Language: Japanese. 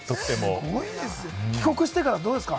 帰国してから、どうですか？